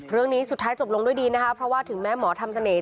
เรื่องนี้สุดท้ายจบลงด้วยดีนะคะเพราะว่าถึงแม้หมอทำเสน่ห